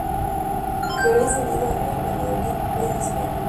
Pero es cedido al Real Valladolid B de España.